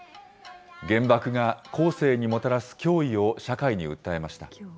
原爆が後世にもたらす脅威を社会に訴えました。